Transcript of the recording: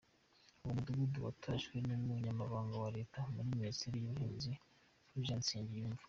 Uwo mudugudu watashywe n’umunyamabaganga wa Leta muri Minisiteri y’ubuhinzi, Fulgence Nsengiyumva.